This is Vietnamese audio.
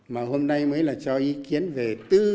mà hôm nay mới là cho ý kiến về tư